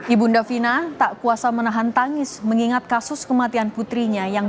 ibu ndavina tak kuasa menahan tangis mengingat kasus kematian putrinya yang